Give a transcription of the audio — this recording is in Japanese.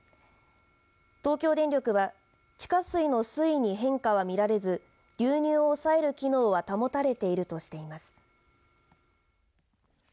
東京電力は地下水の水位に変化は見られず流入を抑える機能は保たれているとしています。